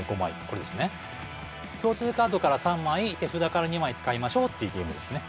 これですね共通カードから３枚手札から２枚使いましょうっていうゲームですね